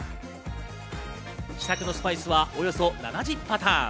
試作のスパイスはおよそ７０パターン。